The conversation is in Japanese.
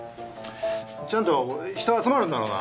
ちゃんと人集まるんだろうな？